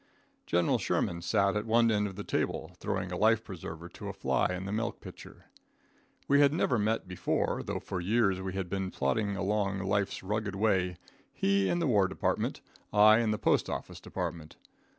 General Sherman sat at one end of the table, throwing a life preserver to a fly in the milk pitcher. We had never met before, though for years we had been plodding along life's rugged way he in the war department, I in the postoffice department.